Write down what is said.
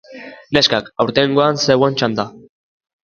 Neskak, aurtengoan zeuon txanda!